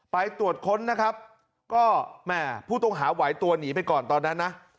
ไปตรวจค้นนะครับพู่ต้องหาหวายตัวหนีไปก่อนตอนนั้นนะ